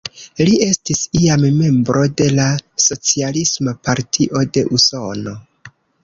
Li estis iam membro de la Socialisma Partio de Usono.